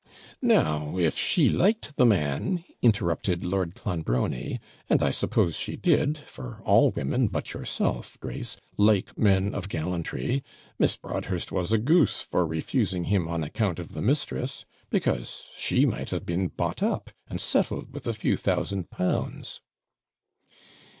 'Now, if she liked the man, interrupted Lord Clonbrony, 'and I suppose she did, for all women, but yourself, Grace, like men of gallantry, Miss Broadhurst was a goose for refusing him on account of the mistress; because she might have been bought up, and settled with a few thousand pounds.'